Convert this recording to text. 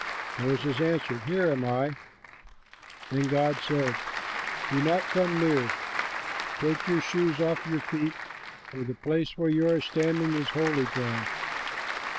Moses answered, "Here am I." Then God said, "Do not come near; take your shoes off your feet, for the place where you are standing is holy ground."